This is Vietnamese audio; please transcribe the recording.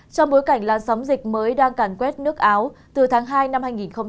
trong bối cảnh làn sóng dịch mới đang càn quét nước áo từ tháng hai năm hai nghìn hai mươi